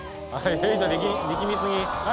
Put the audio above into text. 力み過ぎ。